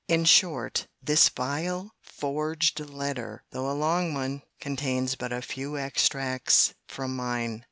In short, this vile, forged letter, though a long one, contains but a few extracts from mine.